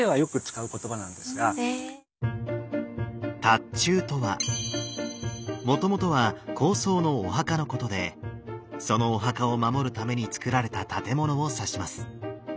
塔頭とは元々は高僧のお墓のことでそのお墓を守るために造られた建物を指します。